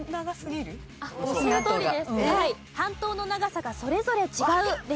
半島の長さがそれぞれ違うでした。